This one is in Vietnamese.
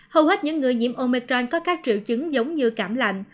hầu hết những người nhiễm omicron có các triệu chứng giống như cảm lành